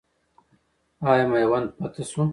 آیا میوند فتح سو؟